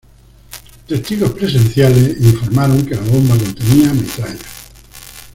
Testigos presenciales informaron que la bomba contenía metralla.